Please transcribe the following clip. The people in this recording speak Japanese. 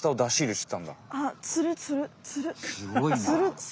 すごいな。